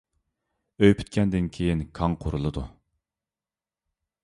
ئۆي پۈتكەندىن كېيىن كاڭ قۇرۇلىدۇ.